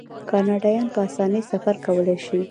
کاناډایان په اسانۍ سفر کولی شي.